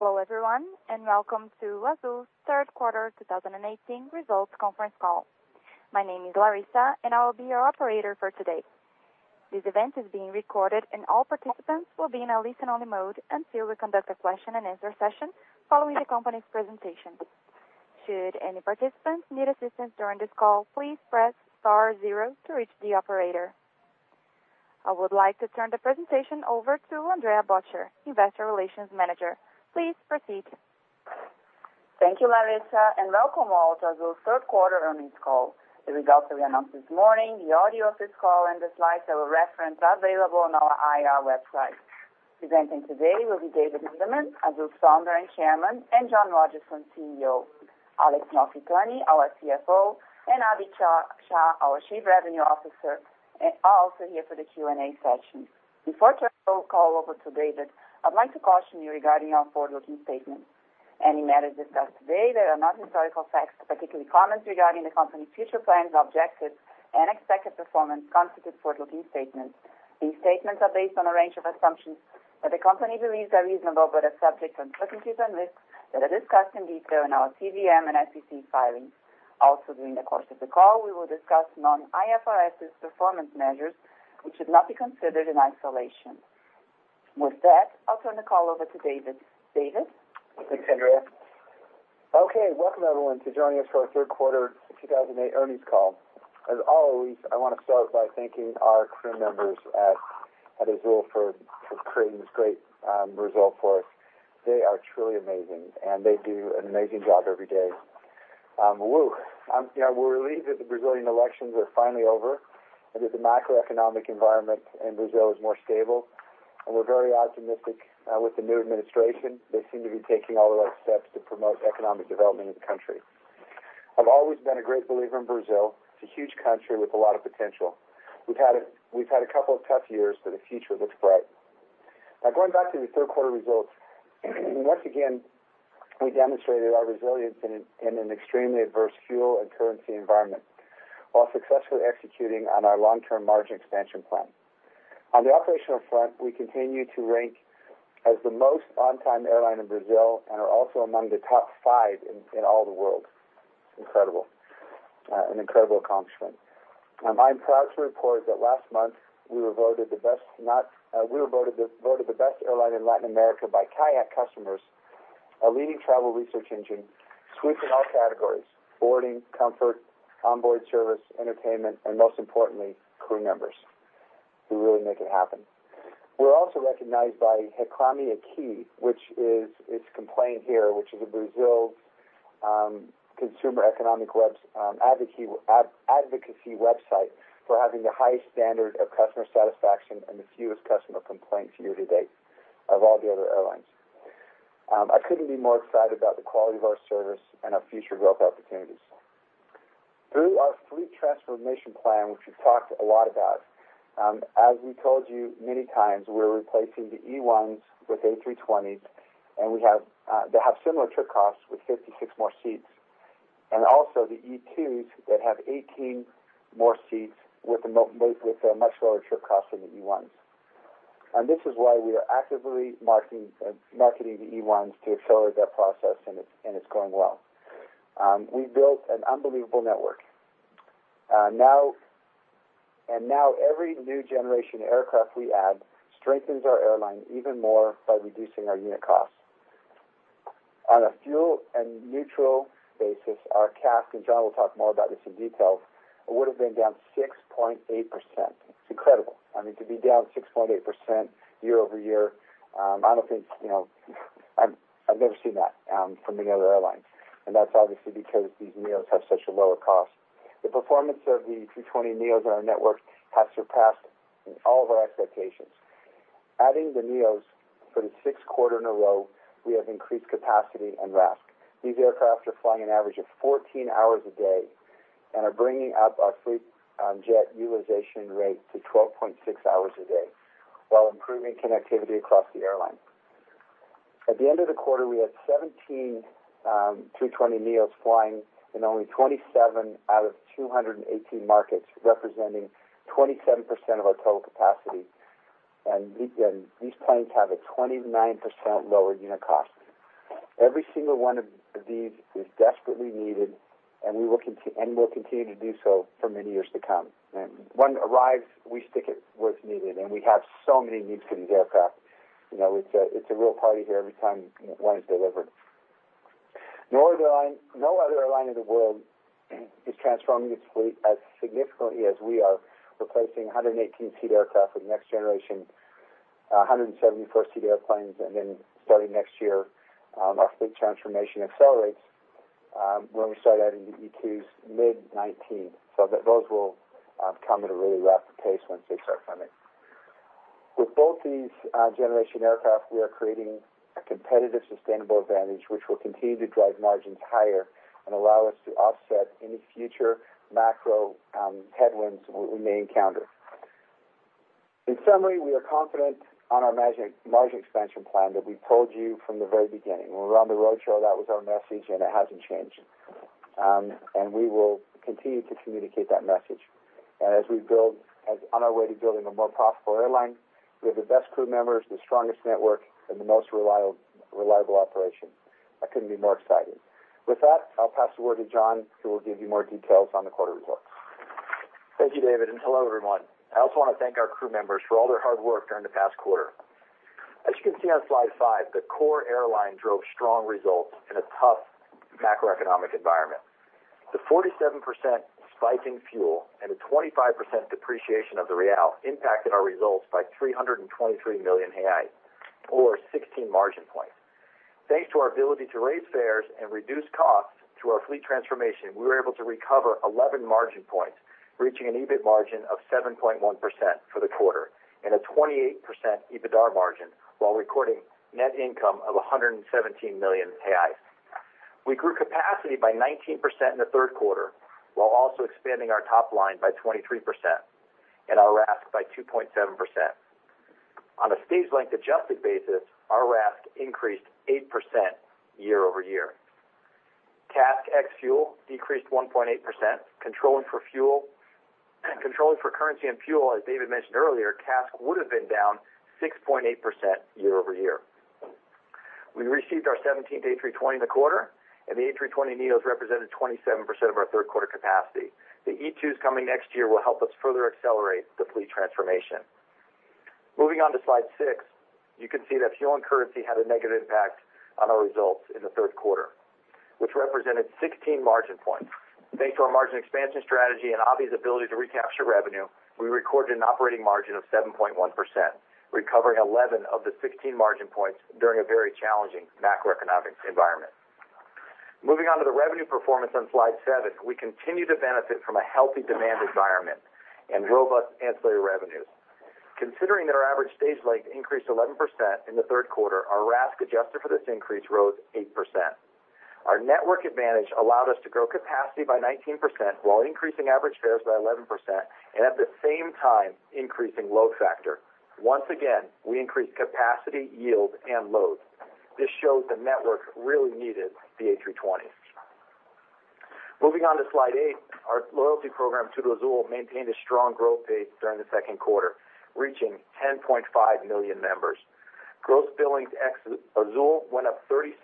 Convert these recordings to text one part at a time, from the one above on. Hello everyone, and welcome to Azul's third quarter 2018 results conference call. My name is Larissa, and I will be your operator for today. This event is being recorded, and all participants will be in a listen-only mode until we conduct a question-and-answer session following the company's presentation. Should any participants need assistance during this call, please press star zero to reach the operator. I would like to turn the presentation over to Andrea Bottcher, investor relations manager. Please proceed. Thank you, Larissa, and welcome all to Azul's third quarter earnings call. The results that we announced this morning, the audio of this call, and the slides that we reference are available on our IR website. Presenting today will be David Neeleman, Azul's founder and chairman, and John Rodgerson, CEO. Alex Malfitani, our CFO, and Abhi Shah, our chief revenue officer, are also here for the Q&A session. Before I turn the call over to David, I'd like to caution you regarding our forward-looking statements. Any matters discussed today that are not historical facts, particularly comments regarding the company's future plans, objectives, and expected performance constitute forward-looking statements. These statements are based on a range of assumptions that the company believes are reasonable but are subject to uncertainties and risks that are discussed in detail in our CVM and SEC filings. Also, during the course of the call, we will discuss non-IFRS performance measures, which should not be considered in isolation. With that, I'll turn the call over to David. David? Thanks, Andrea. Welcome everyone to joining us for our third quarter 2018 earnings call. As always, I want to start by thanking our crew members at Azul for creating this great result for us. They are truly amazing, and they do an amazing job every day. We're relieved that the Brazilian elections are finally over and that the macroeconomic environment in Brazil is more stable, and we're very optimistic with the new administration. They seem to be taking all the right steps to promote economic development in the country. I've always been a great believer in Brazil. It's a huge country with a lot of potential. We've had a couple of tough years, but the future looks bright. Going back to the third quarter results, once again, we demonstrated our resilience in an extremely adverse fuel and currency environment while successfully executing on our long-term margin expansion plan. On the operational front, we continue to rank as the most on-time airline in Brazil and are also among the top five in all the world. Incredible. An incredible accomplishment. I'm proud to report that last month we were voted the best airline in Latin America by Kayak customers, a leading travel research engine, sweeping all categories, boarding, comfort, onboard service, entertainment, and most importantly, crew members. We really make it happen. We're also recognized by Reclame AQUI, which is its complaint here, which is Brazil's consumer economic advocacy website for having the highest standard of customer satisfaction and the fewest customer complaints year to date of all the other airlines. I couldn't be more excited about the quality of our service and our future growth opportunities. Through our fleet transformation plan, which we've talked a lot about, as we told you many times, we're replacing the E1s with A320s, and they have similar trip costs with 56 more seats, and also the E2s that have 18 more seats with a much lower trip cost than the E1s. This is why we are actively marketing the E1s to accelerate that process, and it's going well. We've built an unbelievable network. Now every new generation aircraft we add strengthens our airline even more by reducing our unit costs. On a fuel and neutral basis, our CASK, and John will talk more about this in detail, would have been down 6.8%. It's incredible. I mean, to be down 6.8% year-over-year, I've never seen that from any other airline. That's obviously because these NEOs have such a lower cost. The performance of the A320neos on our network has surpassed all of our expectations. Adding the NEOs for the sixth quarter in a row, we have increased capacity and RASK. These aircraft are flying an average of 14 hours a day and are bringing up our fleet jet utilization rate to 12.6 hours a day while improving connectivity across the airline. At the end of the quarter, we had 17 A320neos flying in only 27 out of 218 markets, representing 27% of our total capacity. Again, these planes have a 29% lower unit cost. Every single one of these is desperately needed, and we'll continue to do so for many years to come. When one arrives, we stick it where it's needed, and we have so many needs for these aircraft. It's a real party here every time one is delivered. No other airline in the world is transforming its fleet as significantly as we are, replacing 118-seat aircraft with next generation 174-seat airplanes. Starting next year, our fleet transformation accelerates when we start adding the E2s mid 2019. Those will come at a really rapid pace once they start coming. With both these generation aircraft, we are creating a competitive, sustainable advantage, which will continue to drive margins higher and allow us to offset any future macro headwinds we may encounter. In summary, we are confident on our margin expansion plan that we told you from the very beginning. When we were on the road show, that was our message, and it hasn't changed. We will continue to communicate that message. As we build, on our way to building a more profitable airline, we have the best crew members, the strongest network, and the most reliable operation. I couldn't be more excited. With that, I'll pass the word to John, who will give you more details on the quarter results. Thank you, David, and hello, everyone. I also want to thank our crew members for all their hard work during the past quarter. As you can see on slide five, the core airline drove strong results in a tough macroeconomic environment. The 47% spike in fuel and the 25% depreciation of the Real impacted our results by 323 million, or 16 margin points. Thanks to our ability to raise fares and reduce costs through our fleet transformation, we were able to recover 11 margin points, reaching an EBIT margin of 7.1% for the quarter and a 28% EBITDA margin while recording net income of 117 million reais. We grew capacity by 19% in the third quarter, while also expanding our top line by 23%, and our RASK by 2.7%. On a stage length adjusted basis, our RASK increased 8% year-over-year. CASK ex-fuel decreased 1.8%, controlling for currency and fuel, as David mentioned earlier, CASK would've been down 6.8% year-over-year. We received our 17th A320 in the quarter, and the A320neos represented 27% of our third quarter capacity. The E2s coming next year will help us further accelerate the fleet transformation. Moving on to slide six, you can see that fuel and currency had a negative impact on our results in the third quarter, which represented 16 margin points. Thanks to our margin expansion strategy and Abhi's ability to recapture revenue, we recorded an operating margin of 7.1%, recovering 11 of the 16 margin points during a very challenging macroeconomic environment. Moving on to the revenue performance on slide seven, we continue to benefit from a healthy demand environment and robust ancillary revenues. Considering that our average stage length increased 11% in the third quarter, our RASK adjusted for this increase rose 8%. Our network advantage allowed us to grow capacity by 19% while increasing average fares by 11%, and at the same time, increasing load factor. Once again, we increased capacity, yield, and load. This shows the network really needed the A320. Moving on to slide eight, our loyalty program, TudoAzul, maintained a strong growth pace during the second quarter, reaching 10.5 million members. Gross billings ex-Azul went up 36%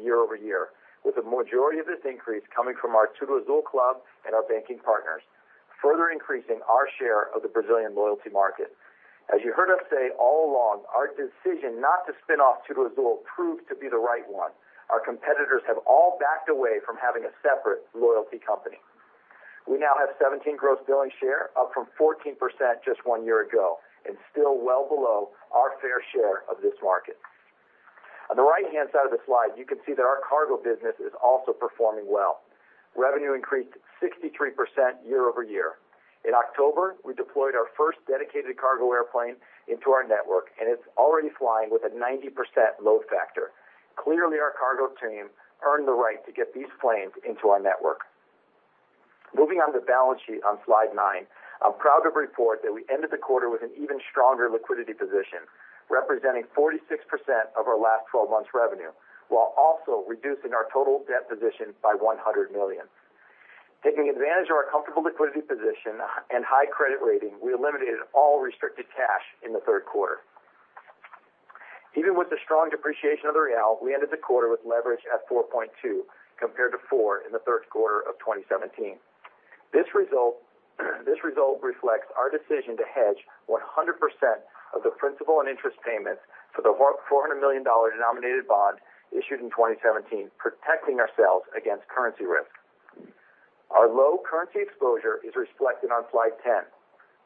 year-over-year, with the majority of this increase coming from our TudoAzul Club and our banking partners, further increasing our share of the Brazilian loyalty market. As you heard us say all along, our decision not to spin off TudoAzul proved to be the right one. Our competitors have all backed away from having a separate loyalty company. We now have 17% gross billing share, up from 14% just one year ago, and still well below our fair share of this market. On the right-hand side of the slide, you can see that our cargo business is also performing well. Revenue increased 63% year-over-year. In October, we deployed our first dedicated cargo airplane into our network, and it's already flying with a 90% load factor. Clearly, our cargo team earned the right to get these planes into our network. Moving on to the balance sheet on slide nine, I'm proud to report that we ended the quarter with an even stronger liquidity position, representing 46% of our last 12 months revenue, while also reducing our total debt position by 100 million. Taking advantage of our comfortable liquidity position and high credit rating, we eliminated all restricted cash in the third quarter. Even with the strong depreciation of the Real, we ended the quarter with leverage at 4.2, compared to four in the third quarter of 2017. This result reflects our decision to hedge 100% of the principal and interest payments for the $400 million denominated bond issued in 2017, protecting ourselves against currency risk. Our low currency exposure is reflected on slide 10.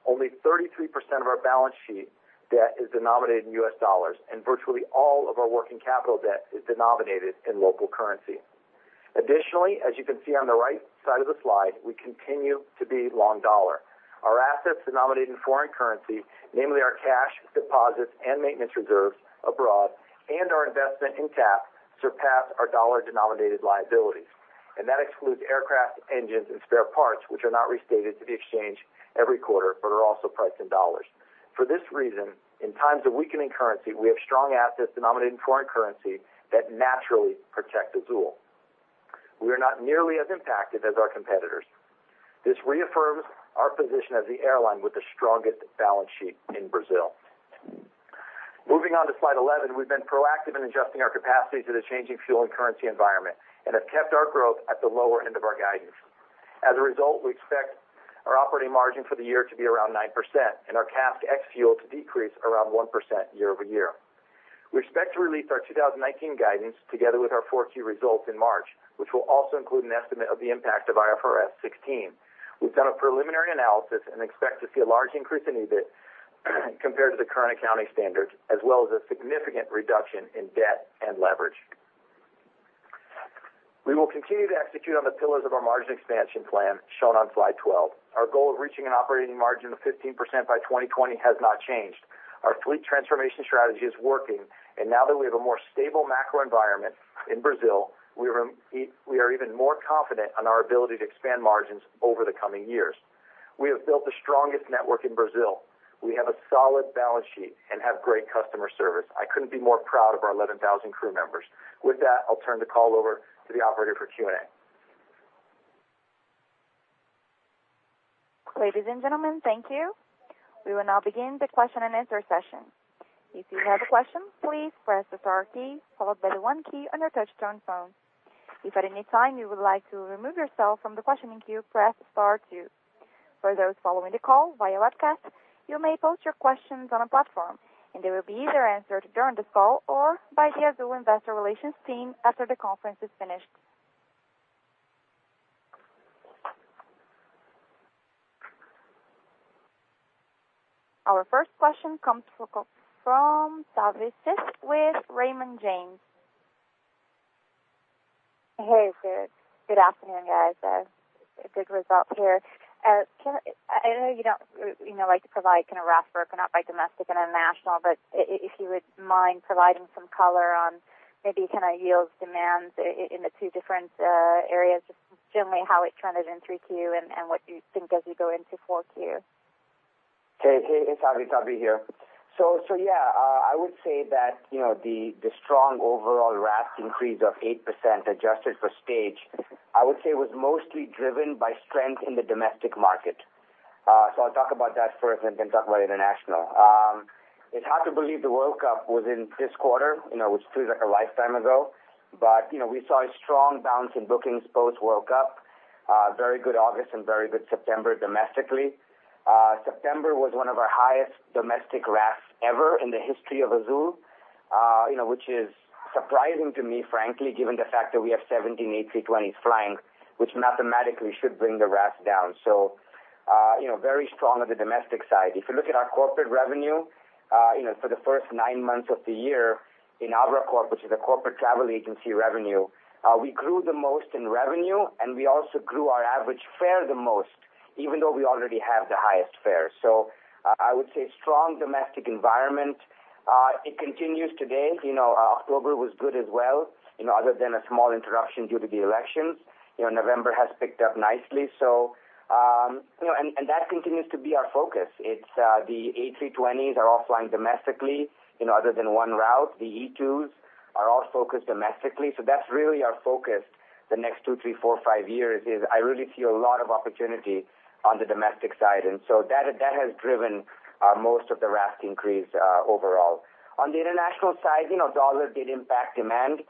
Only 33% of our balance sheet debt is denominated in U.S. dollars, and virtually all of our working capital debt is denominated in local currency. Additionally, as you can see on the right side of the slide, we continue to be long dollar. Our assets denominated in foreign currency, namely our cash deposits and maintenance reserves abroad and our investment in CASK, surpass our dollar-denominated liabilities, and that excludes aircraft engines and spare parts, which are not restated to the exchange every quarter but are also priced in dollars. For this reason, in times of weakening currency, we have strong assets denominated in foreign currency that naturally protect Azul. We are not nearly as impacted as our competitors. This reaffirms our position as the airline with the strongest balance sheet in Brazil. Moving on to slide 11, we've been proactive in adjusting our capacity to the changing fuel and currency environment and have kept our growth at the lower end of our guidance. As a result, we expect our operating margin for the year to be around 9% and our CASK ex-fuel to decrease around 1% year-over-year. We expect to release our 2019 guidance together with our 4Q results in March, which will also include an estimate of the impact of IFRS 16. We've done a preliminary analysis and expect to see a large increase in EBIT compared to the current accounting standards, as well as a significant reduction in debt and leverage. We will continue to execute on the pillars of our margin expansion plan shown on slide 12. Our goal of reaching an operating margin of 15% by 2020 has not changed. Our fleet transformation strategy is working, and now that we have a more stable macro environment in Brazil, we are even more confident on our ability to expand margins over the coming years. We have built the strongest network in Brazil. We have a solid balance sheet and have great customer service. I couldn't be more proud of our 11,000 crew members. With that, I'll turn the call over to the operator for Q&A. Ladies and gentlemen, thank you. We will now begin the question and answer session. If you have a question, please press the star key followed by the one key on your touchtone phone. If at any time you would like to remove yourself from the questioning queue, press star two. For those following the call via webcast, you may post your questions on the platform, and they will be either answered during this call or by the Azul investor relations team after the conference is finished. Our first question comes from Savanthi Syth with Raymond James. Hey, good afternoon, guys. A good result here. I know you don't like to provide kind of RASK broken out by domestic and international, if you wouldn't mind providing some color on maybe kind of yield demands in the two different areas, just generally how it trended in 3Q and what you think as we go into 4Q. Hey, it's Abhi Shah here. I would say that the strong overall RASK increase of 8% adjusted for stage, I would say, was mostly driven by strength in the domestic market. I'll talk about that first and then talk about international. It's hard to believe the World Cup was in this quarter. It feels like a lifetime ago. We saw a strong bounce in bookings post-World Cup. Very good August and very good September domestically. September was one of our highest domestic RASKs ever in the history of Azul, which is surprising to me, frankly, given the fact that we have 17 A320s flying, which mathematically should bring the RASK down. Very strong on the domestic side. If you look at our corporate revenue, for the first 9 months of the year in ABRACORP, which is a corporate travel agency revenue, we grew the most in revenue, and we also grew our average fare the most, even though we already have the highest fares. I would say strong domestic environment. It continues today. October was good as well, other than a small interruption due to the elections. November has picked up nicely. That continues to be our focus. The A320s are all flying domestically, other than one route. The E2s are all focused domestically. That's really our focus the next two, three, four, five years is I really see a lot of opportunity on the domestic side. That has driven most of the RASK increase overall. On the international side, dollar did impact demand.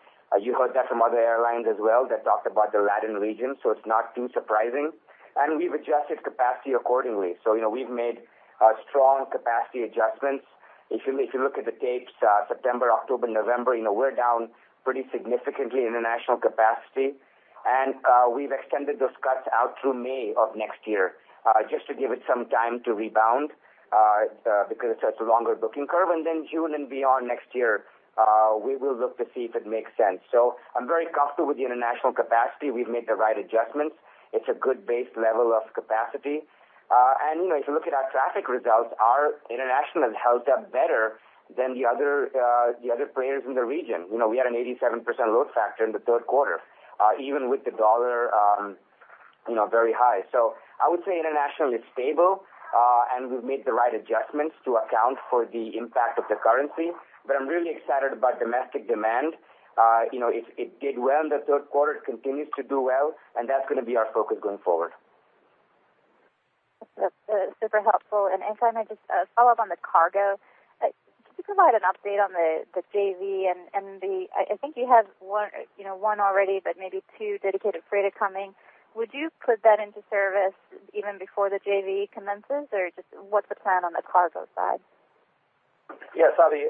You heard that from other airlines as well that talked about the LATAM region, so it's not too surprising. We've adjusted capacity accordingly. We've made strong capacity adjustments. If you look at the dates, September, October, November, we're down pretty significantly international capacity. We've extended those cuts out through May of next year, just to give it some time to rebound, because it has a longer booking curve. Then June and beyond next year, we will look to see if it makes sense. I'm very comfortable with the international capacity. We've made the right adjustments. It's a good base level of capacity. If you look at our traffic results, our international has held up better than the other players in the region. We had an 87% load factor in the third quarter, even with the dollar very high. I would say internationally stable, and we've made the right adjustments to account for the impact of the currency. But I'm really excited about domestic demand. It did well in the third quarter, it continues to do well. That's going to be our focus going forward. That's super helpful. If I may just follow up on the cargo. Can you provide an update on the JV and the-- I think you have one already, but maybe two dedicated freight are coming. Would you put that into service even before the JV commences, or what's the plan on the cargo side? Yeah, Savi,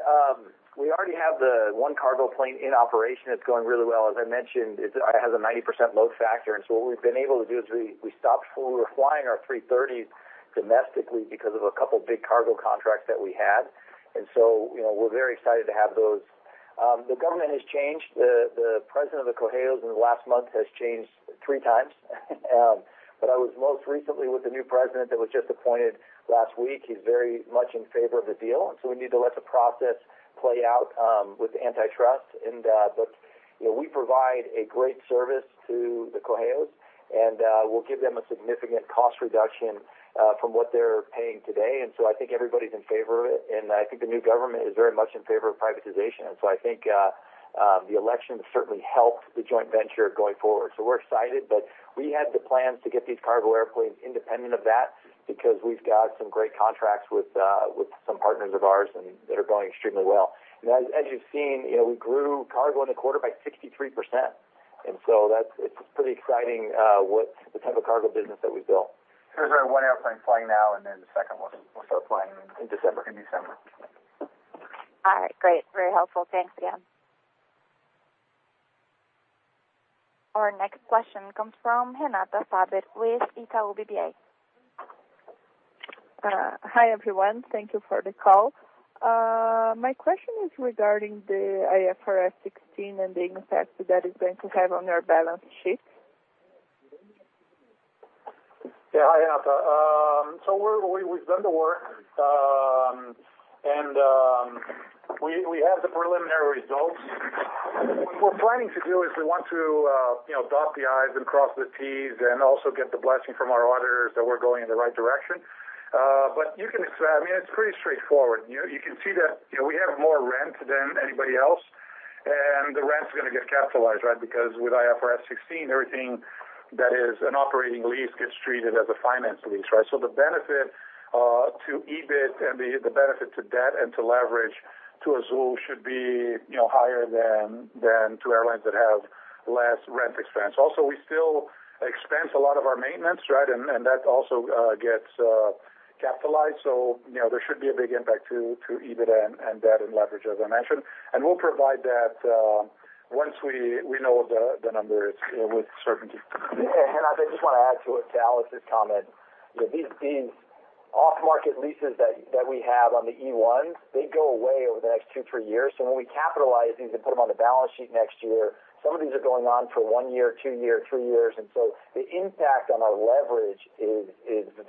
we already have the one cargo plane in operation. It's going really well. As I mentioned, it has a 90% load factor. What we've been able to do is we stopped fully flying our A330 domestically because of a couple of big cargo contracts that we had. We're very excited to have those. The government has changed. The President of the Correios in the last month has changed three times. I was most recently with the new president that was just appointed last week. He's very much in favor of the deal. We need to let the process play out with antitrust. We provide a great service to the Correios, and we'll give them a significant cost reduction from what they're paying today. I think everybody's in favor of it. I think the new government is very much in favor of privatization. I think the election certainly helped the joint venture going forward. We're excited, but we had the plans to get these cargo airplanes independent of that because we've got some great contracts with some partners of ours, and they are going extremely well. As you've seen, we grew cargo in the quarter by 63%. It's pretty exciting the type of cargo business that we built. There's our one airplane flying now. The second one will start flying in December. In December. All right, great. Very helpful. Thanks again. Our next question comes from Renata Faber with Itaú BBA. Hi, everyone. Thank you for the call. My question is regarding the IFRS 16 and the impact that is going to have on your balance sheet. Hi, Renata. We've done the work. We have the preliminary results. What we're planning to do is we want to dot the I's and cross the T's and also get the blessing from our auditors that we're going in the right direction. It's pretty straightforward. You can see that we have more rent than anybody else, and the rent's going to get capitalized, right? Because with IFRS 16, everything that is an operating lease gets treated as a finance lease. The benefit to EBIT and the benefit to debt and to leverage to Azul should be higher than to airlines that have less rent expense. We still expense a lot of our maintenance, and that also gets capitalized. There should be a big impact to EBIT and debt and leverage, as I mentioned. We'll provide that once we know the numbers with certainty. I just want to add to Alex's comment. These off-market leases that we have on the E1s, they go away over the next two, three years. When we capitalize these and put them on the balance sheet next year, some of these are going on for one year, two year, three years. The impact on our leverage is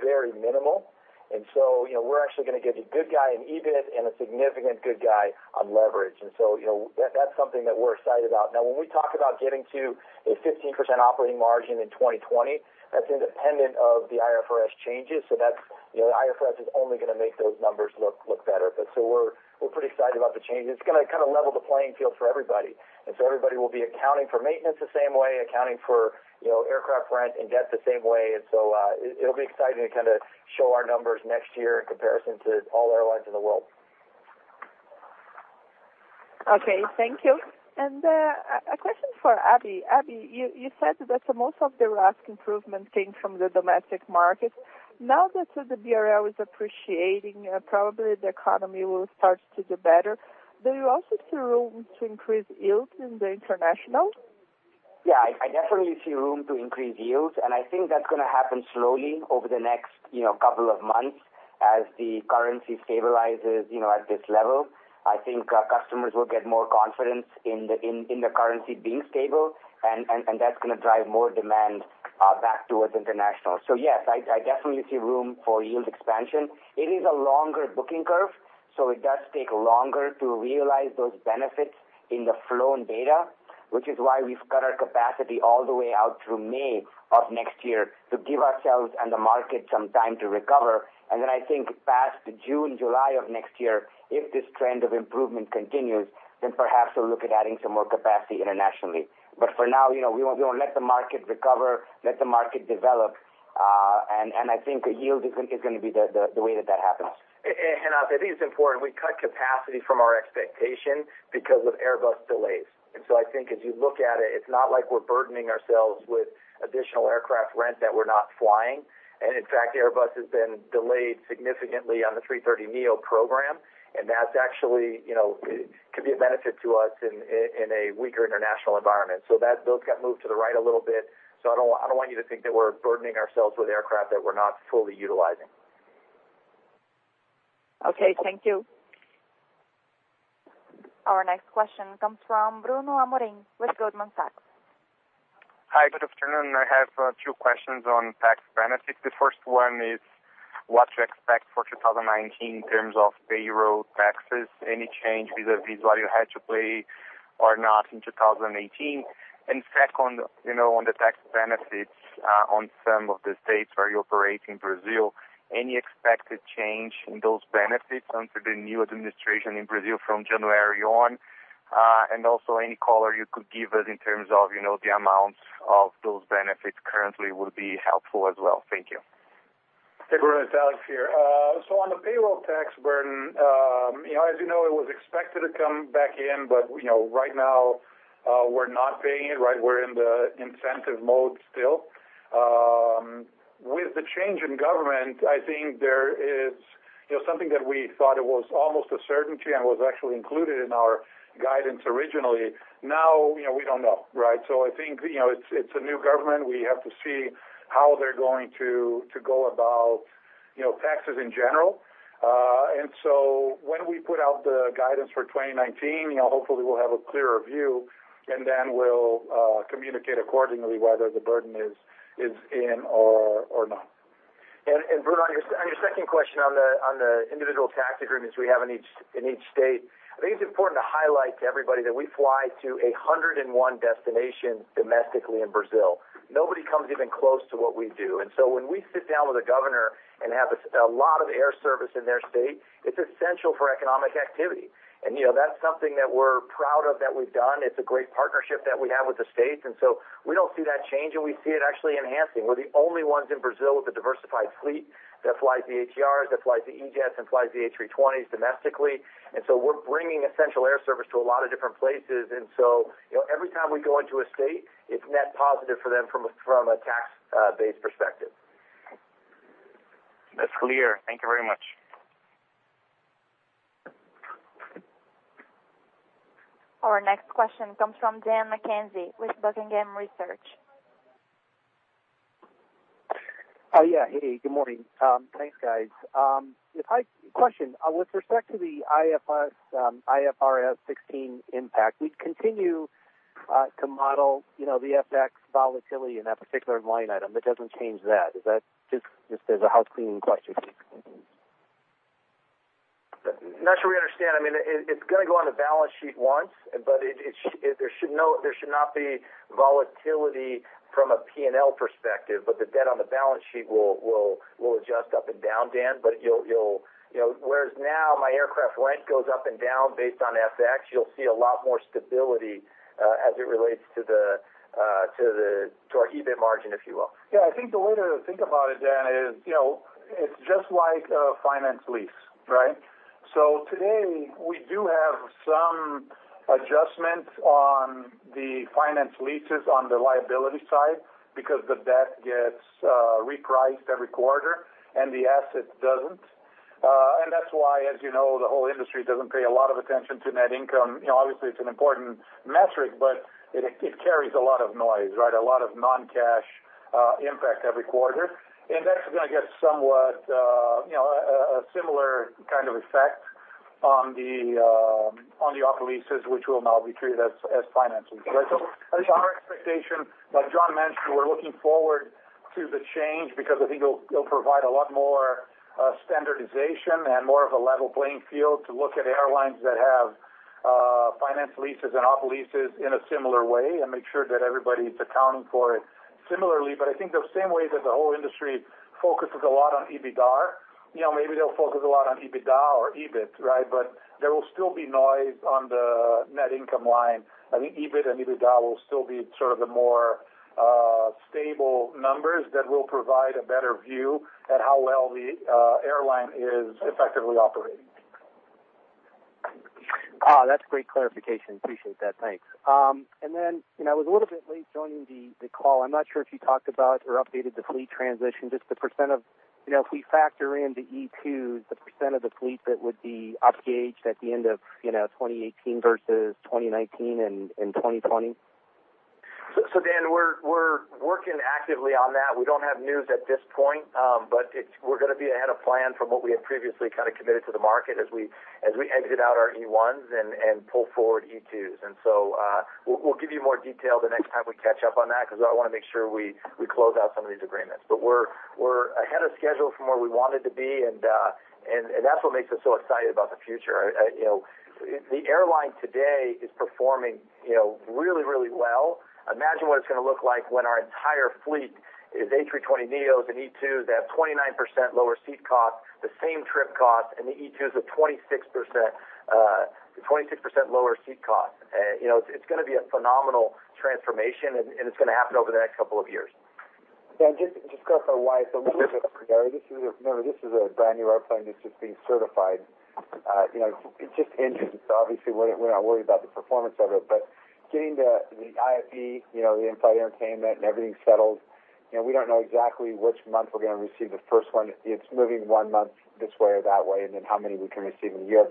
very minimal. We're actually going to get a good guy in EBIT and a significant good guy on leverage. That's something that we're excited about. Now, when we talk about getting to a 15% operating margin in 2020, that's independent of the IFRS changes. The IFRS is only going to make those numbers look better. We're pretty excited about the change. It's going to level the playing field for everybody. Everybody will be accounting for maintenance the same way, accounting for aircraft rent and debt the same way. It'll be exciting to show our numbers next year in comparison to all airlines in the world. Okay. Thank you. A question for Abhi. Abhi, you said that most of the RASK improvement came from the domestic market. Now that the BRL is appreciating, probably the economy will start to do better. Do you also see room to increase yield in the international? Yeah, I definitely see room to increase yields, and I think that's going to happen slowly over the next couple of months as the currency stabilizes at this level. I think our customers will get more confidence in the currency being stable, and that's going to drive more demand back towards international. Yes, I definitely see room for yield expansion. It is a longer booking curve, so it does take longer to realize those benefits in the flow in data, which is why we've cut our capacity all the way out through May of next year to give ourselves and the market some time to recover. I think past June, July of next year, if this trend of improvement continues, then perhaps we'll look at adding some more capacity internationally. For now, we want to let the market recover, let the market develop, and I think the yield is going to be the way that that happens. Renata, I think it's important, we cut capacity from our expectation because of Airbus delays. I think as you look at it's not like we're burdening ourselves with additional aircraft rent that we're not flying. In fact, Airbus has been delayed significantly on the A330neo program, and that could be a benefit to us in a weaker international environment. Those got moved to the right a little bit. I don't want you to think that we're burdening ourselves with aircraft that we're not fully utilizing. Okay. Thank you. Our next question comes from Bruno Amorim with Goldman Sachs. Hi, good afternoon. I have two questions on tax benefits. The first one is what to expect for 2019 in terms of payroll taxes. Any change vis-a-vis what you had to pay or not in 2018? Second on the tax benefits on some of the states where you operate in Brazil, any expected change in those benefits under the new administration in Brazil from January on? Also any color you could give us in terms of the amounts of those benefits currently would be helpful as well. Thank you. Hey, Bruno. It's Alex here. On the payroll tax burden, as you know, it was expected to come back in, but right now, we're not paying it. We're in the incentive mode still. With the change in government, I think there is something that we thought it was almost a certainty and was actually included in our guidance originally. Now, we don't know. I think, it's a new government. We have to see how they're going to go about taxes in general. When we put out the guidance for 2019, hopefully we'll have a clearer view, and then we'll communicate accordingly whether the burden is in or not. Bruno, on your second question on the individual tax agreements we have in each state, I think it's important to highlight to everybody that we fly to 101 destinations domestically in Brazil. Nobody comes even close to what we do. When we sit down with a governor and have a lot of air service in their state, it's essential for economic activity. That's something that we're proud of that we've done. It's a great partnership that we have with the states. We don't see that changing. We see it actually enhancing. We're the only ones in Brazil with a diversified fleet that flies the ATRs, that flies the E-jets, and flies the A320s domestically. We're bringing essential air service to a lot of different places. Every time we go into a state, it's net positive for them from a tax-based perspective. That's clear. Thank you very much. Our next question comes from Dan McKenzie with Buckingham Research. Hey, good morning. Thanks, guys. Question, with respect to the IFRS 16 impact, we continue to model the FX volatility in that particular line item, it doesn't change that. There's a housecleaning question. I'm not sure we understand. It's going to go on the balance sheet once, but there should not be volatility from a P&L perspective. The debt on the balance sheet will adjust up and down, Dan. Whereas now my aircraft rent goes up and down based on FX, you'll see a lot more stability as it relates to our EBIT margin, if you will. Yeah, I think the way to think about it, Dan, is it's just like a finance lease, right? Today, we do have some adjustments on the finance leases on the liability side because the debt gets repriced every quarter and the asset doesn't. That's why, as you know, the whole industry doesn't pay a lot of attention to net income. Obviously, it's an important metric, but it carries a lot of noise, right? A lot of non-cash impact every quarter. That's going to get somewhat a similar kind of effect on the operating leases, which will now be treated as finance leases. I think our expectation, like John mentioned, we're looking forward to the change because I think it'll provide a lot more standardization and more of a level playing field to look at airlines that have finance leases and operating leases in a similar way and make sure that everybody's accounting for it similarly. But I think the same way that the whole industry focuses a lot on EBITDAR, maybe they'll focus a lot on EBITDA or EBIT, right? But there will still be noise on the net income line. I think EBIT and EBITDA will still be sort of the more stable numbers that will provide a better view at how well the airline is effectively operating. That's great clarification. Appreciate that. Thanks. Then, I was a little bit late joining the call. I'm not sure if you talked about or updated the fleet transition, just the % of If we factor in the E2s, the % of the fleet that would be up-gauged at the end of 2018 versus 2019 and 2020. Dan, we're working actively on that. We don't have news at this point. We're going to be ahead of plan from what we had previously kind of committed to the market as we exit out our E1s and pull forward E2s. We'll give you more detail the next time we catch up on that because I want to make sure we close out some of these agreements. We're ahead of schedule from where we wanted to be, and that's what makes us so excited about the future. The airline today is performing really well. Imagine what it's going to look like when our entire fleet is A320neos and E2s that have 29% lower seat cost, the same trip cost, and the E2s are 26% lower seat cost. It's going to be a phenomenal transformation, and it's going to happen over the next couple of years. Dan, just to go for why it's a little bit earlier. Remember, this is a brand new airplane that's just being certified. It's just engines, so obviously we're not worried about the performance of it. Getting the IFE, the in-flight entertainment, and everything settled, we don't know exactly which month we're going to receive the first one. It's moving one month this way or that way, and then how many we can receive in a year.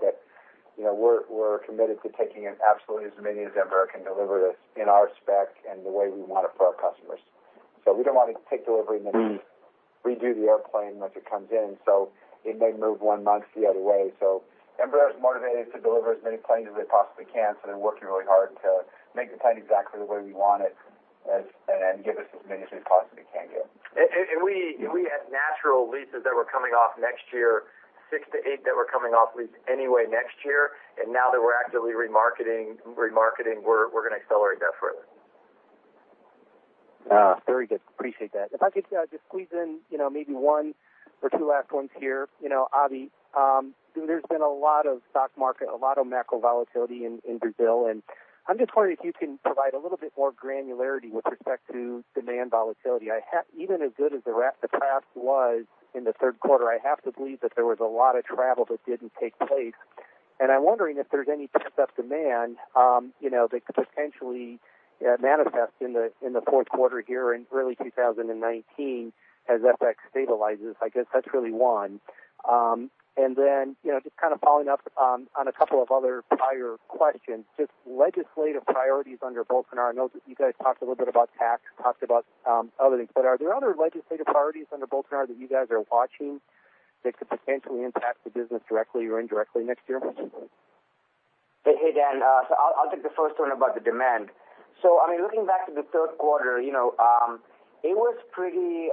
We're committed to taking in absolutely as many as Embraer can deliver to us in our spec and the way we want it for our customers. We don't want to take delivery and then redo the airplane once it comes in. It may move one month the other way. Embraer is motivated to deliver as many planes as they possibly can, They're working really hard to make the plane exactly the way we want it and give us as many as we possibly can get. We had natural leases that were coming off next year, six to eight that were coming off lease anyway next year. Now that we're actively remarketing, we're going to accelerate that further. Very good. Appreciate that. If I could just squeeze in maybe one or two last ones here. Abhi, there's been a lot of stock market, a lot of macro volatility in Brazil. I'm just wondering if you can provide a little bit more granularity with respect to demand volatility. Even as good as the RASK was in the third quarter, I have to believe that there was a lot of travel that didn't take place. I'm wondering if there's any pent-up demand that could potentially manifest in the fourth quarter here in early 2019 as FX stabilizes. I guess that's really one. Just kind of following up on a couple of other prior questions, just legislative priorities under Bolsonaro. I know that you guys talked a little bit about tax, talked about other things. Are there other legislative priorities under Bolsonaro that you guys are watching that could potentially impact the business directly or indirectly next year? Hey, Dan. I'll take the first one about the demand. Looking back to the third quarter, it was pretty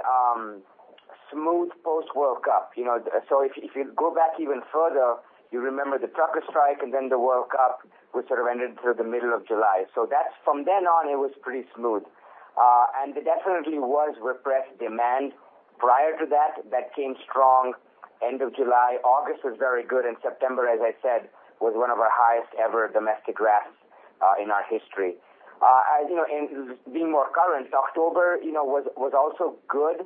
smooth post-World Cup. If you go back even further, you remember the trucker strike and then the World Cup, which sort of ended through the middle of July. From then on, it was pretty smooth. There definitely was repressed demand prior to that came strong end of July. August was very good. September, as I said, was one of our highest-ever domestic RASK in our history. Being more current, October was also good,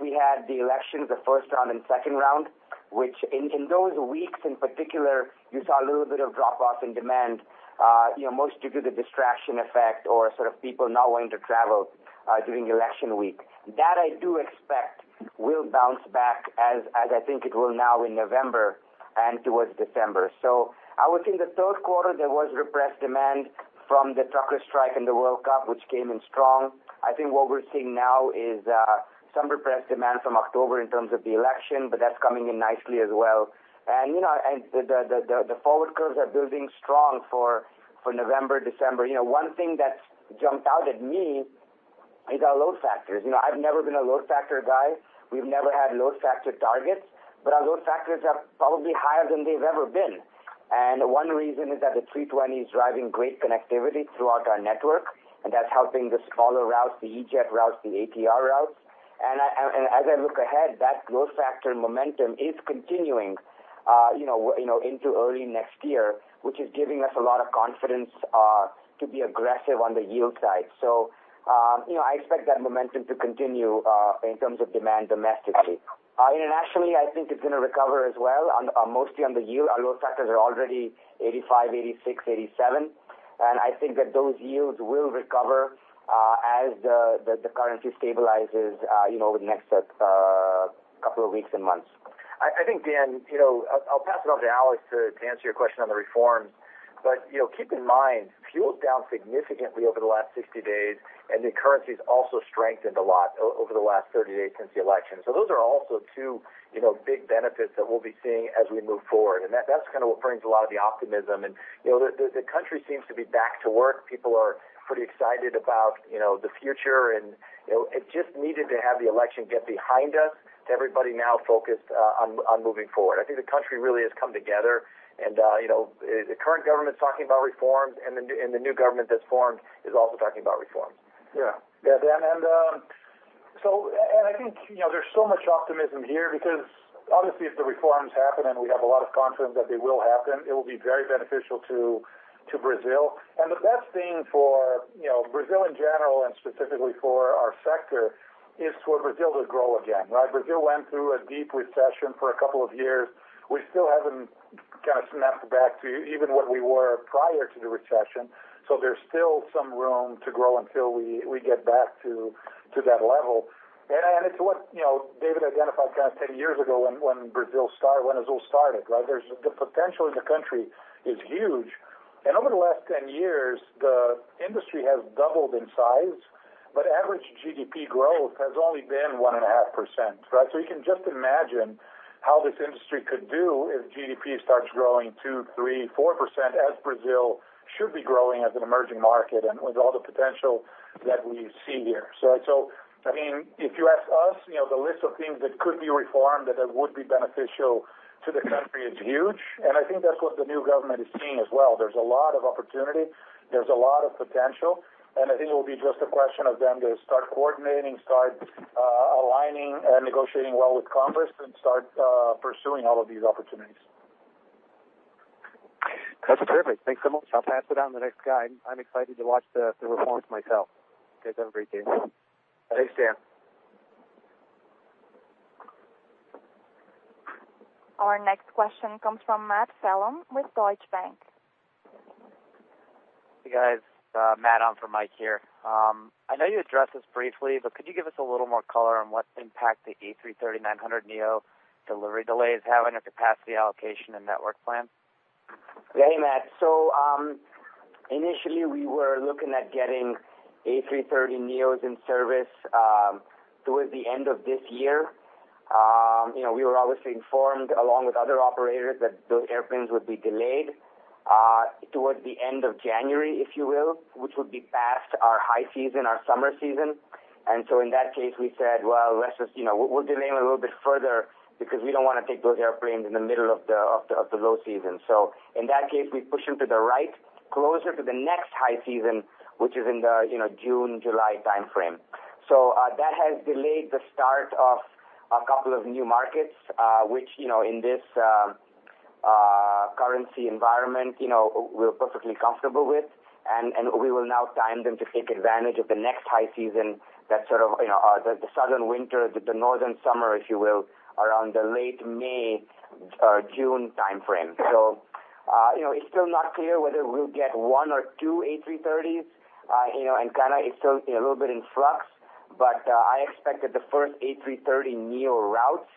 we had the election, the first round and second round, which in those weeks in particular, you saw a little bit of drop-off in demand, most due to the distraction effect or sort of people not wanting to travel during election week. That I do expect will bounce back as I think it will now in November and towards December. I would say in the third quarter, there was repressed demand from the trucker strike and the World Cup, which came in strong. I think what we're seeing now is some repressed demand from October in terms of the election, that's coming in nicely as well. The forward curves are building strong for November, December. One thing that's jumped out at me is our load factors. I've never been a load factor guy. We've never had load factor targets, but our load factors are probably higher than they've ever been. One reason is that the A320 is driving great connectivity throughout our network, and that's helping the smaller routes, the E-Jet routes, the ATR routes. As I look ahead, that growth factor momentum is continuing into early next year, which is giving us a lot of confidence to be aggressive on the yield side. I expect that momentum to continue in terms of demand domestically. Internationally, I think it's going to recover as well, mostly on the yield. Our load factors are already 85, 86, 87, and I think that those yields will recover as the currency stabilizes over the next couple of weeks and months. I think, Dan, I'll pass it on to Alex to answer your question on the reforms. Keep in mind, fuel is down significantly over the last 60 days, and the currency's also strengthened a lot over the last 30 days since the election. Those are also two big benefits that we'll be seeing as we move forward, and that's what brings a lot of the optimism. The country seems to be back to work. People are pretty excited about the future, and it just needed to have the election get behind us. Everybody now focused on moving forward. I think the country really has come together, and the current government's talking about reforms, and the new government that's formed is also talking about reforms. Dan, I think there's so much optimism here because obviously if the reforms happen, and we have a lot of confidence that they will happen, it will be very beneficial to Brazil. The best thing for Brazil in general, and specifically for our sector, is for Brazil to grow again, right? Brazil went through a deep recession for a couple of years. We still haven't snapped back to even what we were prior to the recession, so there's still some room to grow until we get back to that level. It's what David identified 10 years ago when Azul started, right? The potential in the country is huge. Over the last 10 years, the industry has doubled in size, but average GDP growth has only been one and a half % right? You can just imagine how this industry could do if GDP starts growing 2, 3, 4%, as Brazil should be growing as an emerging market, and with all the potential that we see here. If you ask us, the list of things that could be reformed that would be beneficial to the country is huge, and I think that's what the new government is seeing as well. There's a lot of opportunity, there's a lot of potential, and I think it will be just a question of them to start coordinating, start aligning and negotiating well with Congress, and start pursuing all of these opportunities. That's terrific. Thanks so much. I'll pass it on to the next guy. I'm excited to watch the reforms myself. You guys have a great day. Thanks, Dan. Our next question comes from Matthew Parr with Deutsche Bank. Hey, guys. Matt on for Mike here. I know you addressed this briefly, but could you give us a little more color on what impact the A330-900neo delivery delay is having on capacity allocation and network plans? Yeah, hey, Matt. Initially we were looking at getting A330neos in service towards the end of this year. We were obviously informed, along with other operators, that those airplanes would be delayed towards the end of January, if you will, which would be past our high season, our summer season. In that case, we said, "Well, we'll delay them a little bit further because we don't want to take those airplanes in the middle of the low season." In that case, we push them to the right, closer to the next high season, which is in the June, July timeframe. That has delayed the start of a couple of new markets, which, in this currency environment, we're perfectly comfortable with. We will now time them to take advantage of the next high season, the southern winter, the northern summer, if you will, around the late May or June timeframe. It's still not clear whether we'll get one or two A330s, and it's still a little bit in flux. I expect that the first A330neo routes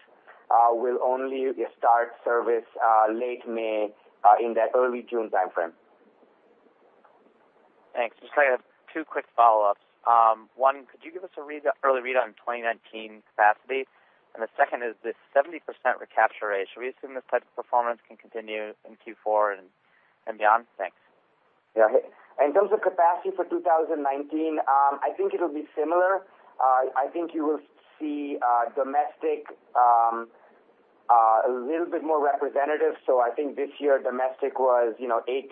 will only start service late May, in that early June timeframe. Thanks. Just two quick follow-ups. One, could you give us an early read on 2019 capacity? The second is this 70% recapture ratio. Do you assume this type of performance can continue in Q4 and beyond? Thanks. Yeah. In terms of capacity for 2019, I think it'll be similar. I think you will see domestic a little bit more representative. I think this year domestic was 8%-10%.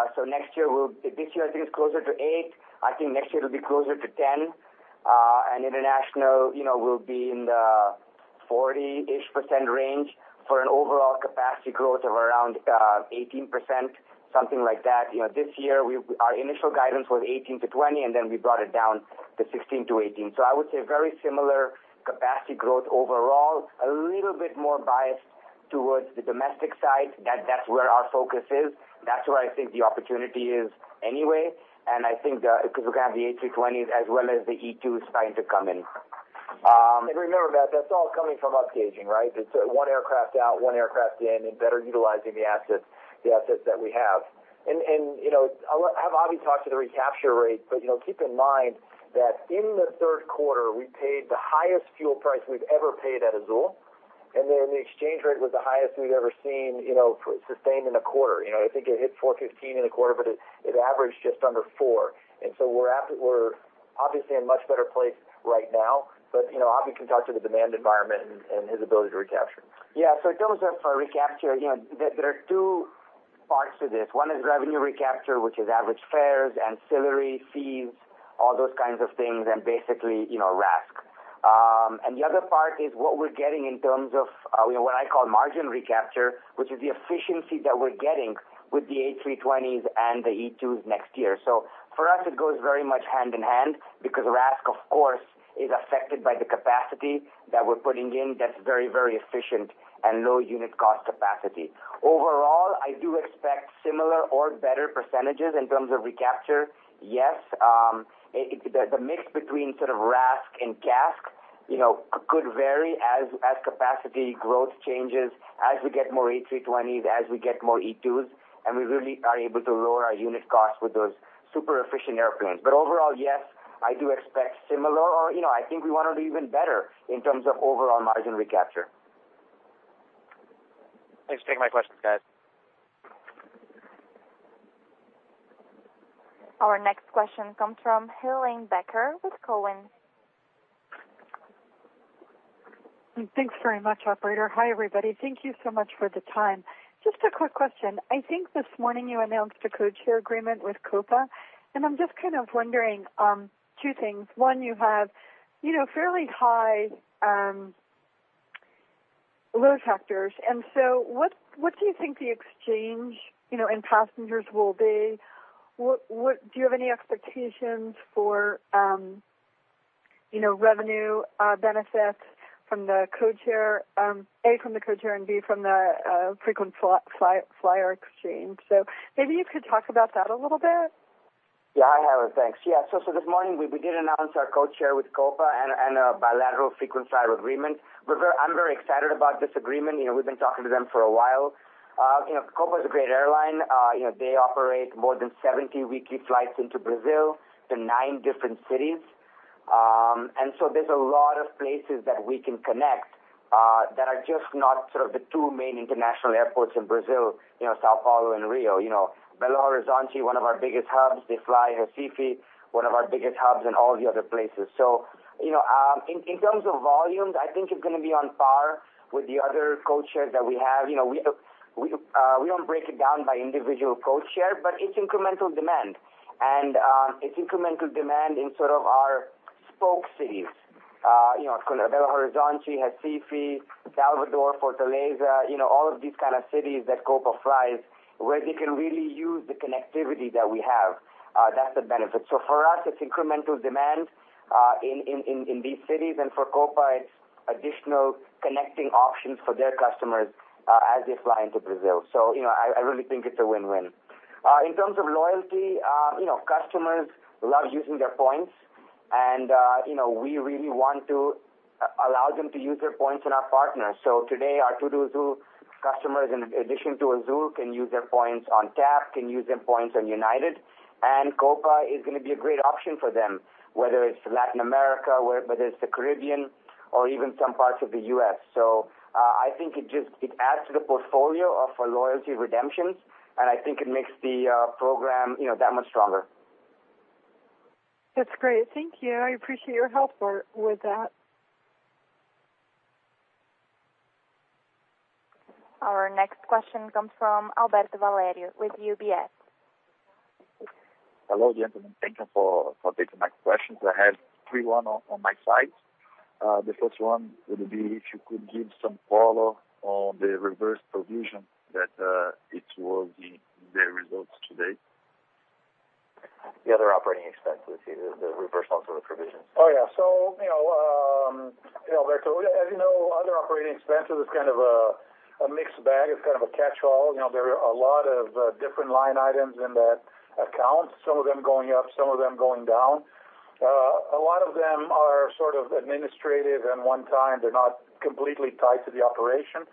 This year I think it's closer to 8%. I think next year it'll be closer to 10%. International will be in the 40%-ish range for an overall capacity growth of around 18%, something like that. This year, our initial guidance was 18%-20%, then we brought it down to 16%-18%. I would say very similar capacity growth overall. A little bit more biased towards the domestic side. That's where our focus is. That's where I think the opportunity is anyway. I think because we have the A320s as well as the E2s starting to come in. Remember, Matt, that's all coming from upgauging, right? It's one aircraft out, one aircraft in, and better utilizing the assets that we have. I'll have Abhi talk to the recapture rate, but keep in mind that in the 3rd quarter, we paid the highest fuel price we've ever paid at Azul. The exchange rate was the highest we've ever seen sustained in a quarter. I think it hit 4.15 in a quarter, but it averaged just under four. We're obviously in a much better place right now. Abhi can talk to the demand environment and his ability to recapture. In terms of recapture, there are two parts to this. One is revenue recapture, which is average fares, ancillary fees, all those kinds of things, and basically RASK. The other part is what we're getting in terms of what I call margin recapture, which is the efficiency that we're getting with the A320s and the E2s next year. For us, it goes very much hand in hand because RASK, of course, is affected by the capacity that we're putting in that's very efficient and low unit cost capacity. Overall, I do expect similar or better % in terms of recapture. Yes, the mix between sort of RASK and CASK could vary as capacity growth changes, as we get more A320s, as we get more E2s, and we really are able to lower our unit cost with those super efficient airplanes. Overall, yes, I do expect similar, or I think we want to do even better in terms of overall margin recapture. Thanks for taking my questions, guys. Our next question comes from Helane Becker with Cowen. Thanks very much, operator. Hi, everybody. Thank you so much for the time. Just a quick question. I think this morning you announced a codeshare agreement with Copa. I'm just kind of wondering two things. One, you have fairly high load factors. What do you think the exchange in passengers will be? Do you have any expectations for revenue benefits, A, from the codeshare, and B, from the frequent flyer exchange? Maybe you could talk about that a little bit. Yeah, I have it. Thanks. Yeah. This morning, we did announce our codeshare with Copa and a bilateral frequent flyer agreement. I'm very excited about this agreement. We've been talking to them for a while. Copa is a great airline. They operate more than 70 weekly flights into Brazil to nine different cities. There's a lot of places that we can connect that are just not sort of the two main international airports in Brazil, São Paulo and Rio. Belo Horizonte, one of our biggest hubs, they fly Recife, one of our biggest hubs, and all the other places. In terms of volumes, I think it's going to be on par with the other codeshares that we have. We don't break it down by individual codeshare, but it's incremental demand. It's incremental demand in sort of our spoke cities. Belo Horizonte, Recife, Salvador, Fortaleza, all of these kind of cities that Copa flies where they can really use the connectivity that we have. That's the benefit. For us, it's incremental demand in these cities, and for Copa, it's additional connecting options for their customers as they fly into Brazil. I really think it's a win-win. In terms of loyalty, customers love using their points, and we really want to allow them to use their points in our partners. Today, our TudoAzul customers, in addition to Azul, can use their points on TAP, can use their points on United, and Copa is going to be a great option for them, whether it's Latin America, whether it's the Caribbean or even some parts of the U.S. I think it adds to the portfolio of our loyalty redemptions, and I think it makes the program that much stronger. That's great. Thank you. I appreciate your help with that. Our next question comes from Alberto Valerio with UBS. Hello, gentlemen. Thank you for taking my questions. I have three on my side. The first one would be if you could give some follow on the reverse provision that it was in the results today. The other operating expense, we see the reversal for the provisions. Oh, yeah. Alberto, as you know, other operating expenses is kind of a mixed bag. It's kind of a catchall. There are a lot of different line items in that account, some of them going up, some of them going down. A lot of them are sort of administrative and one time. They're not completely tied to the operation.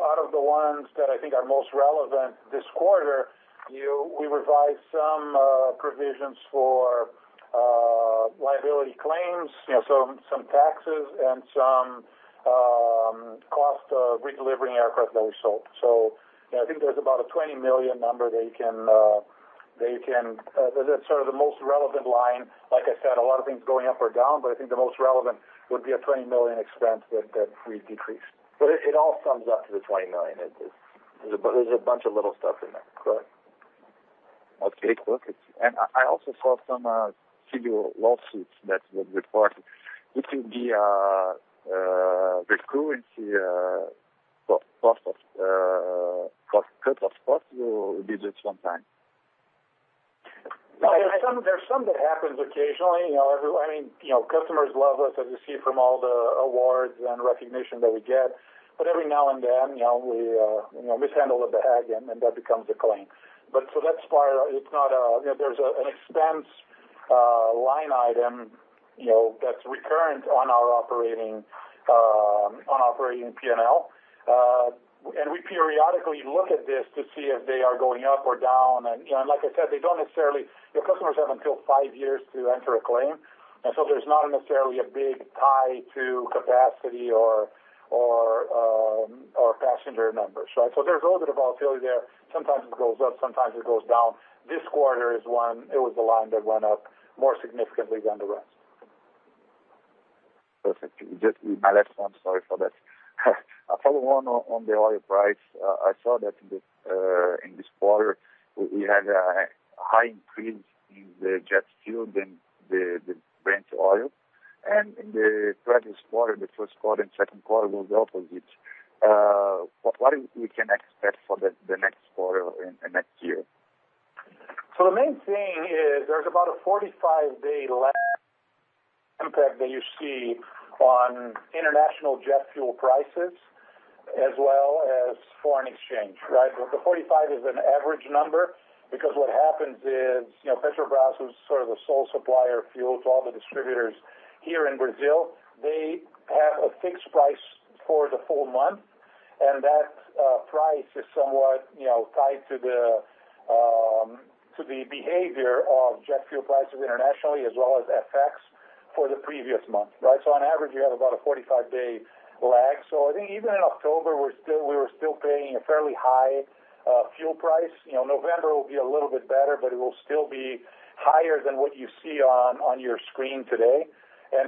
Out of the ones that I think are most relevant this quarter, we revised some provisions for liability claims, some taxes, and some cost of redelivering aircraft that we sold. I think there's about a 20 million number that. That's sort of the most relevant line. Like I said, a lot of things going up or down, but I think the most relevant would be a 20 million expense that we decreased. It all sums up to the 20 million. There's a bunch of little stuff in there. Correct. Okay. I also saw some civil lawsuits that were reported. It will be a recurring cost of lawsuits will be just one time? There's some that happens occasionally. Customers love us, as you see from all the awards and recognition that we get. Every now and then, we mishandle a bag, and that becomes a claim. There's an expense line item that's recurrent on our operating P&L. We periodically look at this to see if they are going up or down. Like I said, your customers have until five years to enter a claim, there's not necessarily a big tie to capacity or passenger numbers. There's a little bit of volatility there. Sometimes it goes up, sometimes it goes down. This quarter is one. It was the line that went up more significantly than the rest. Perfect. Just my last one. Sorry for that. A follow-on on the oil price. I saw that in this quarter, we had a high increase in the jet fuel, then the Brent oil. In the previous quarter, the first quarter and second quarter was the opposite. What we can expect for the next quarter and next year? The main thing is there's about a 45-day lag impact that you see on international jet fuel prices as well as foreign exchange. Right? The 45 is an average number because what happens is, Petrobras, who's sort of the sole supplier of fuel to all the distributors here in Brazil, they have a fixed price for the full month, that price is somewhat tied to the behavior of jet fuel prices internationally, as well as FX for the previous month. Right? On average, you have about a 45-day lag. I think even in October, we were still paying a fairly high fuel price. November will be a little bit better, but it will still be higher than what you see on your screen today.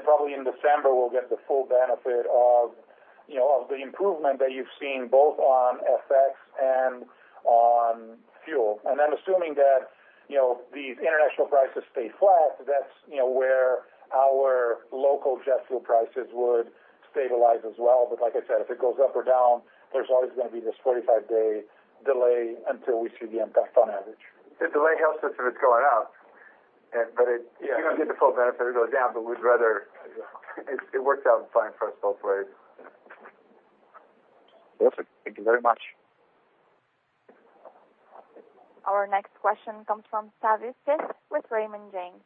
Probably in December, we'll get the full benefit of the improvement that you've seen both on FX and on fuel. Assuming that these international prices stay flat, that's where our local jet fuel prices would stabilize as well. Like I said, if it goes up or down, there's always going to be this 45-day delay until we see the impact on average. The delay helps us if it's going up. Yeah. You don't get the full benefit if it goes down, but it works out fine for us both ways. Perfect. Thank you very much. Our next question comes from Savanthi Syth with Raymond James.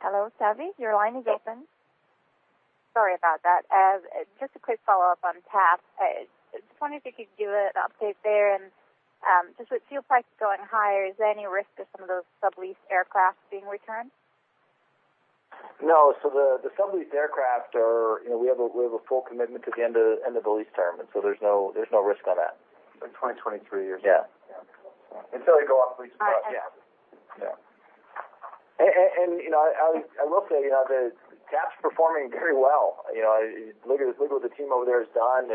Hello, Savi, your line is open. Sorry about that. Just a quick follow-up on TAP. Just wondering if you could do an update there, with fuel prices going higher, is there any risk of some of those subleased aircraft being returned? No. We have a full commitment to the end of the lease term. There's no risk on that. Like 2023 or something. Yeah. Yeah. Until they go off lease. All right. Yeah. I will say, TAP's performing very well. Look at what the team over there has done,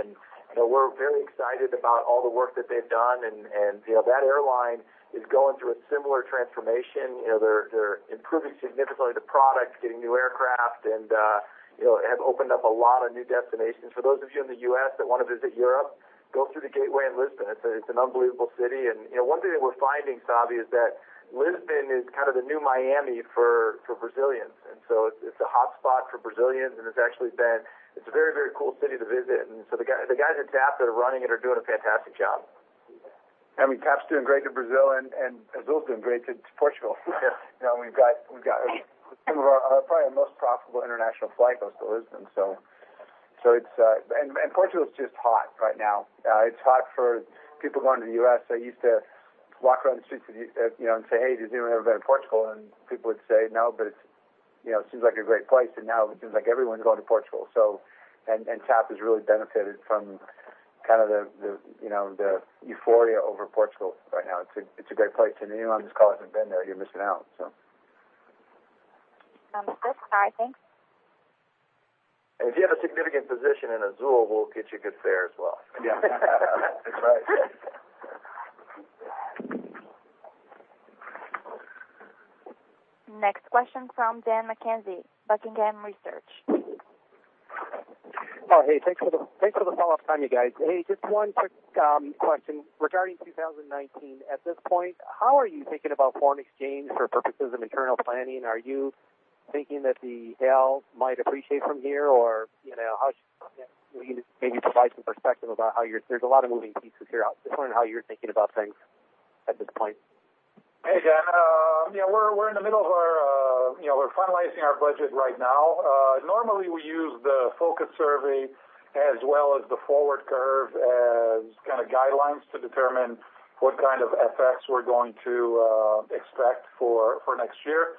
we're very excited about all the work that they've done. That airline is going through a similar transformation. They're improving significantly the product, getting new aircraft, and have opened up a lot of new destinations. For those of you in the U.S. that want to visit Europe, go through the gateway in Lisbon. It's an unbelievable city. One thing that we're finding, Savi, is that Lisbon is kind of the new Miami for Brazilians. It's a hotspot for Brazilians, and it's a very cool city to visit. The guys at TAP that are running it are doing a fantastic job. I mean, TAP's doing great to Brazil, Azul's doing great to Portugal. We've got probably our most profitable international flight goes to Lisbon. Portugal's just hot right now. It's hot for people going to the U.S. I used to walk around the streets and say, "Hey, has anyone ever been to Portugal?" People would say no, but it seems like a great place. Now it seems like everyone's going to Portugal. TAP has really benefited from the euphoria over Portugal right now. It's a great place. Anyone on this call who hasn't been there, you're missing out, so. Sounds good. All right, thanks. If you have a significant position in Azul, we'll get you good fare as well. Yeah. That's right. Next question from Dan McKenzie, Buckingham Research. Oh, hey, thanks for the follow-up time, you guys. Hey, just one quick question. Regarding 2019, at this point, how are you thinking about foreign exchange for purposes of internal planning? Are you thinking that the Real might appreciate from here? How should maybe provide some perspective about how you're? There's a lot of moving pieces here. Just wondering how you're thinking about things at this point. Hey, Dan. We're finalizing our budget right now. Normally we use the focus survey as well as the forward curve as kind of guidelines to determine what kind of FX we're going to expect for next year.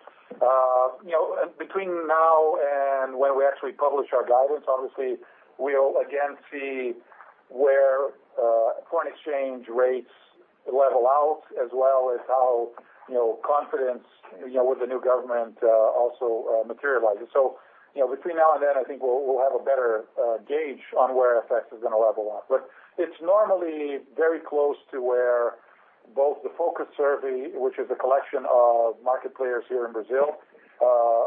Between now and when we actually publish our guidance, obviously, we'll again see where foreign exchange rates level out, as well as how confidence with the new government also materializes. Between now and then, I think we'll have a better gauge on where FX is going to level off. It's normally very close to where both the focus survey, which is a collection of market players here in Brazil,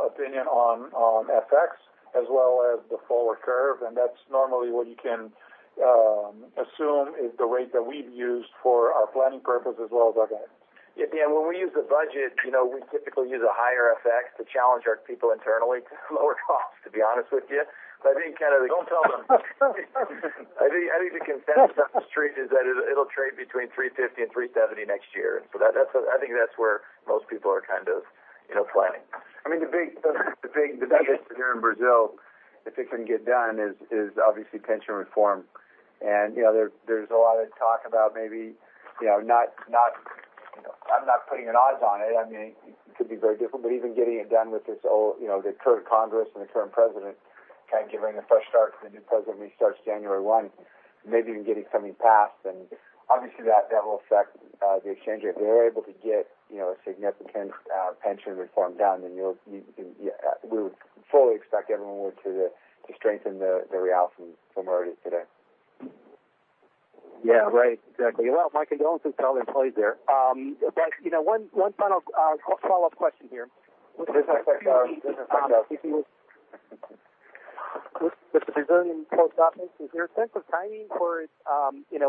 opinion on FX, as well as the forward curve, and that's normally what you can assume is the rate that we've used for our planning purposes as well as our guidance. Yeah. When we use the budget, we typically use a higher FX to challenge our people internally to lower costs, to be honest with you. Don't tell them. I think the consensus on the Street is that it'll trade between 3.50 and 3.70 next year. I think that's where most people are kind of planning. I mean, the big debate here in Brazil If it can get done is obviously pension reform. There's a lot of talk about maybe, I'm not putting an odds on it could be very difficult, but even getting it done with the current Congress and the current president, kind of giving a fresh start to the new president when he starts January 1, maybe even getting something passed. Obviously that will affect the exchange rate. If they're able to get a significant pension reform done, then we would fully expect Real to strengthen the Real from where it is today. Yeah. Right. Exactly. Well, Dan, you go and tell the employees there. One final follow-up question here. Yes. With the Brazilian Post Office, is there a sense of timing for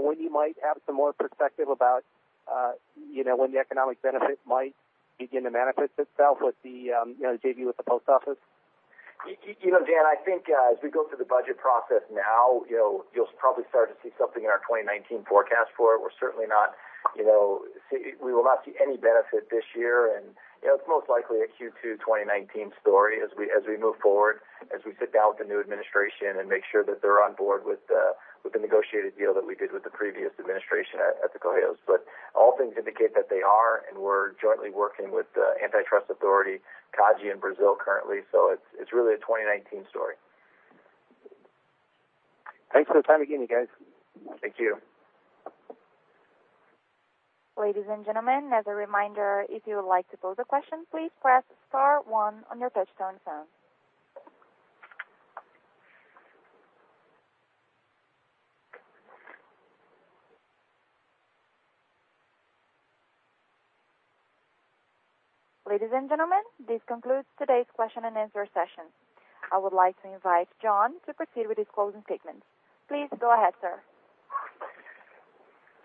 when you might have some more perspective about when the economic benefit might begin to manifest itself with the JV with the Post Office? Dan, I think as we go through the budget process now, you'll probably start to see something in our 2019 forecast for it. We will not see any benefit this year, and it's most likely a Q2 2019 story as we move forward, as we sit down with the new administration and make sure that they're on board with the negotiated deal that we did with the previous administration at the Correios. All things indicate that they are, and we're jointly working with the antitrust authority, CADE, in Brazil currently. It's really a 2019 story. Thanks for the time again, you guys. Thank you. Ladies and gentlemen, as a reminder, if you would like to pose a question, please press *1 on your touchtone phone. Ladies and gentlemen, this concludes today's question and answer session. I would like to invite John to proceed with his closing statements. Please go ahead, sir.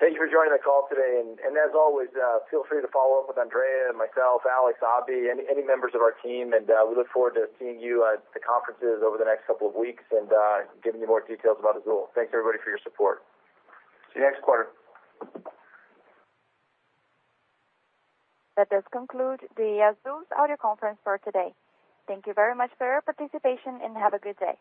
Thank you for joining the call today. As always, feel free to follow up with Andrea and myself, Alex, Abhi, any members of our team, and we look forward to seeing you at the conferences over the next couple of weeks and giving you more details about Azul. Thanks, everybody for your support. See you next quarter. That does conclude the Azul's audio conference for today. Thank you very much for your participation, and have a good day.